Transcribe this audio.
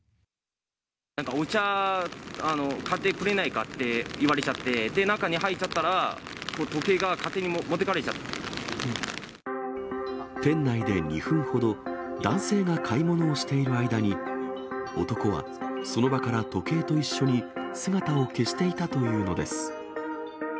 なんかお茶買ってくれないかって言われちゃって、中に入っちゃったら、店内で２分ほど、男性が買い物をしている間に、男はその場から時計と一緒に姿を消していたというのです。